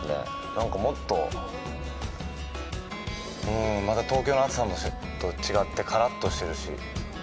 なんか、もっと、うん、また東京の暑さと違ってカラッとしてるし。